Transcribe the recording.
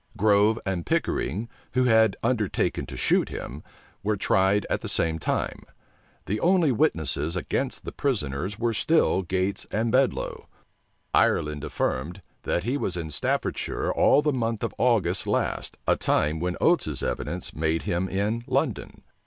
Grove and Pickering, who had undertaken to shoot him, were tried at the same time. The only witnesses against the prisoners were still Gates and Bedloe. Ireland affirmed, that he was in Staffordshire all the month of August last, a time when Oates's evidence made him in London.